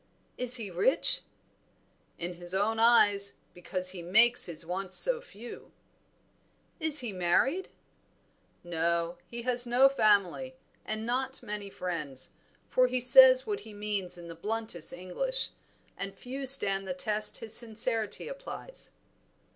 "Is he rich?" "In his own eyes, because he makes his wants so few." "Is he married?" "No; he has no family, and not many friends, for he says what he means in the bluntest English, and few stand the test his sincerity applies."